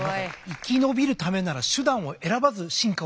生き延びるためなら手段を選ばず進化を続けたっていう。